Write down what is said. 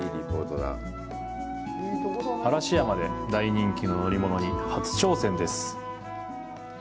嵐山で大人気の乗り物に初挑戦です。